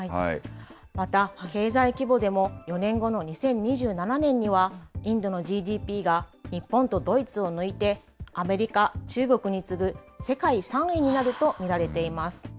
また経済規模でも、４年後の２０２７年にはインドのＧＤＰが日本とドイツを抜いて、アメリカ、中国に次ぐ世界３位になると見られています。